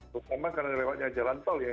terutama karena lewatnya jalan tol ya